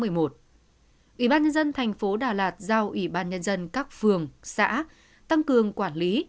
ủy ban nhân dân tp đà lạt giao ủy ban nhân dân các phường xã tăng cường quản lý